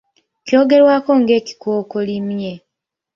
Kyogerwako ng'ekikookolimye.